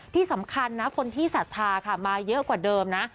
ที่สำคัญนะคนที่ศรัทธาค่ะมาเยอะกว่าเดิมนะ